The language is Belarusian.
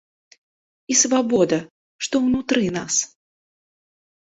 І свабода, што ўнутры нас.